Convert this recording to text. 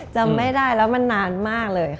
จำไม่ได้แล้วมันนานมากเลย